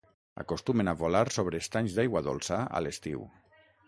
Acostumen a volar sobre estanys d'aigua dolça a l'estiu.